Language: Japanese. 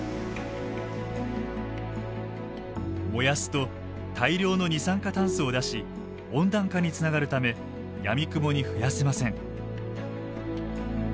燃やすと大量の二酸化炭素を出し温暖化につながるためやみくもに増やせません。